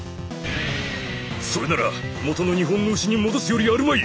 それならもとの日本の牛に戻すよりあるまい！